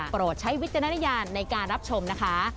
โปรดใช้วิจารณญาณในการรับชมนะคะ